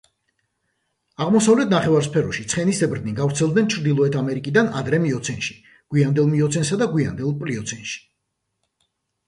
აღმოსავლეთ ნახევარსფეროში ცხენისებრნი გავრცელდნენ ჩრდილოეთ ამერიკიდან ადრე მიოცენში, გვიანდელ მიოცენში და გვიანდელ პლიოცენში.